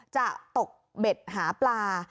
จะตกเบ็ดหาปลา